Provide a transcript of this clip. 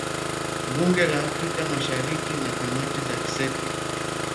Bunge la Afrika Mashariki na kamati za kisekta